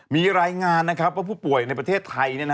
มีรายงานว่าผู้ป่วยในประเทศไทย